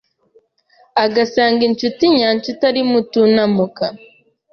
agasanga inshuti nyanshuti ari Mutunamuka